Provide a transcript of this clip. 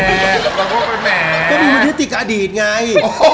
เขาควรเป็นแหมะก็มีวิธีติกับอดีตไง